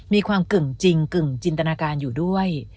มีความกึ่งจินทนาการอยู่ด้วย